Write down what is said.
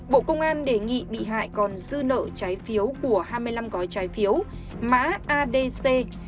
bộ công an đề nghị bị hại còn dư nợ trái phiếu của hai mươi năm gói trái phiếu mã adc hai nghìn một mươi tám chín